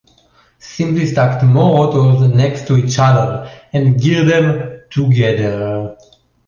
Simply stack more rotors next to each other, and gear them together.